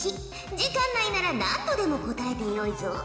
時間内なら何度でも答えてよいぞ。